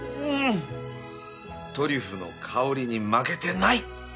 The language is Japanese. トリュフの香りに負けてない